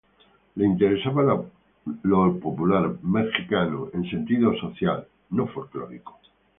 Le interesaba lo popular mexicano, en sentido social, no folklórico.